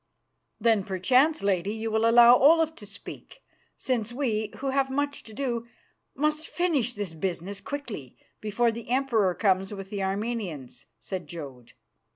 "Then perchance, Lady, you will allow Olaf to speak, since we, who have much to do, must finish this business quickly, before the Emperor comes with the Armenians," said Jodd.